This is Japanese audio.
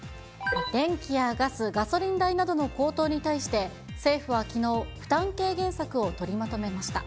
電気やガス、ガソリン代などの高騰に対して、政府はきのう、負担軽減策を取りまとめました。